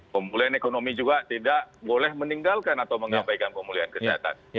pemulihan ekonomi juga tidak boleh meninggalkan atau mengapaikan pemulihan kesehatan